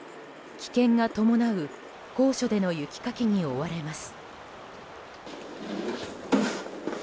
危険が伴う高所での雪かきに追われます。